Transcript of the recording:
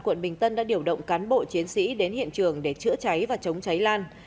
quận bình tân đã điều động cán bộ chiến sĩ đến hiện trường để chữa cháy và chống cháy lan